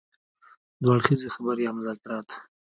دوه اړخیزه خبرې يا مذاکرات.